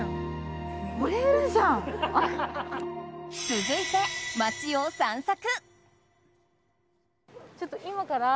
続いて、街を散策。